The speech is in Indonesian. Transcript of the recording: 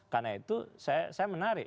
karena itu saya menarik